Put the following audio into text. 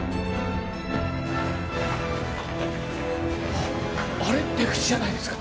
ああれ出口じゃないですか？